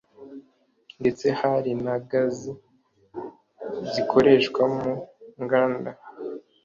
ndetse hari na Gaz zikoreshwa mu nganda